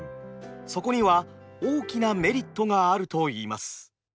そこには大きなメリットがあると言います。